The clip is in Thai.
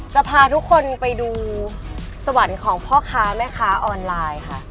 จะพาทุกคนไปดูสวรรค์ของพ่อค้าแม่ค้าออนไลน์ค่ะ